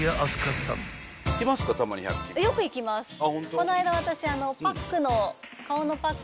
この間私。